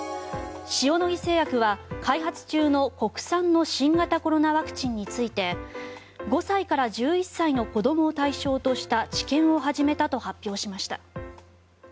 塩野義製薬は開発中の国産の新型コロナワクチンについて５歳から１１歳の子どもを対象とした治験を始めたと発表しました。